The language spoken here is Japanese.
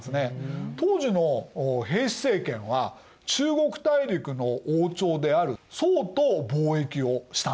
当時の平氏政権は中国大陸の王朝である宋と貿易をしたんですよ。